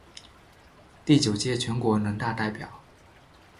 第九届全国人大代表。